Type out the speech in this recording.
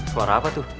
suara apa tuh